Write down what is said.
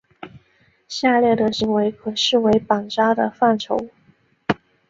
下列的行为可视为绑扎的范畴。